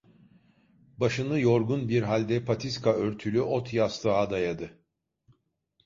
Başını yorgun bir halde patiska örtülü ot yastığa dayadı.